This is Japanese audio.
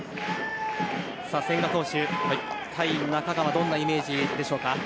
千賀投手、対中川どんなイメージでしょうか？